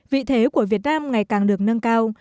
vị thế của việt nam ngày càng được nâng cao